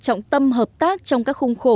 trọng tâm hợp tác trong các khung khổ